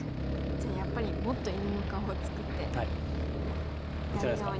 じゃあやっぱりもっと犬の顔を作って左側に。